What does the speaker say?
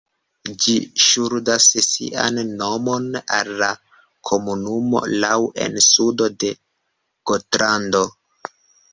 Ĝi ŝuldas sian nomon al la komunumo Lau en sudo de Gotlando.